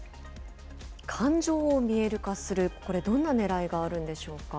感情を見える化する、これ、どんなねらいがあるんでしょうか。